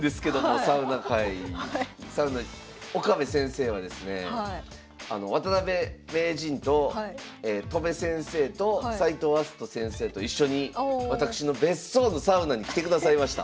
岡部先生はですね渡辺名人と戸辺先生と斎藤明日斗先生と一緒に私の別荘のサウナに来てくださいました。